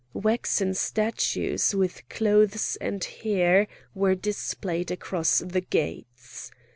Waxen statues with clothes and hair were displayed across the gates.